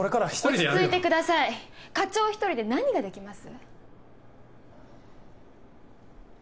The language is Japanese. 落ち着いてください課長１人で何ができます？